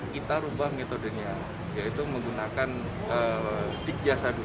kita mengubah metodenya yaitu menggunakan tik jasa dulu